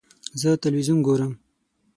زه تلویزیون ګورم.